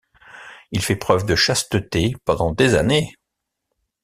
Il fait preuve de chasteté pendant des années.